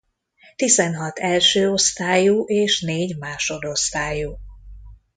Tizenhat első osztályú és négy másodosztályú.